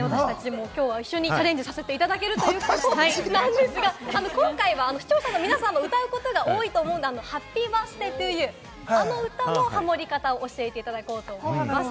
一緒にチャレンジさせていただけるということですが、今回は視聴者の皆さんも歌うことが多いと思うので『ハッピーバースデートゥーユー』、あの歌のハモり方を教えていただきます。